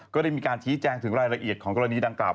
ก็ได้มีการชี้แจงถึงรายละเอียดของกรณีดังกล่า